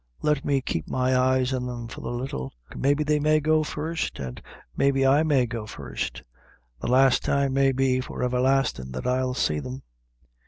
Let me keep my eyes on them for a little; may be they may go first, an' may be I may go first; the last time, may be, for everlastin', that I'll see them!"